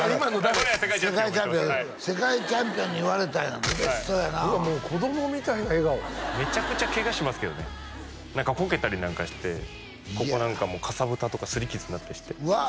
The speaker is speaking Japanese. これは世界チャンピオンが言ってます世界チャンピオンに言われたんやな嬉しそうやなもう子供みたいな笑顔めちゃくちゃケガしますけどね何かこけたりなんかしてここなんかもうかさぶたとかすり傷になったりしてうわ